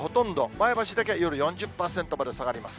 前橋だけは夜４０％まで下がります。